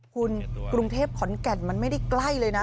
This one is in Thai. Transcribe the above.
คุณกรุงเทพขอนแก่นมันไม่ได้ใกล้เลยนะ